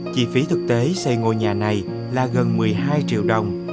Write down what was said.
chi phí thực tế xây ngôi nhà này là gần một mươi hai triệu đồng